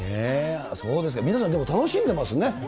そうですか、皆さん楽しんでますね。